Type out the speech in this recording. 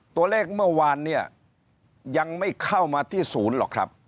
เมื่อวานเนี่ยยังไม่เข้ามาที่ศูนย์หรอกครับ